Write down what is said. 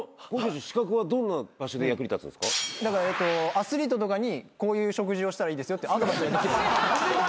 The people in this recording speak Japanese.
アスリートとかにこういう食事をしたらいいですよってアドバイスができる。